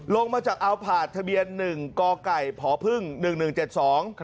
ลงมาจากเอาผ่าทะเบียนหนึ่งกไก่พพึ่งหนึ่งหนึ่งเจ็ดสอง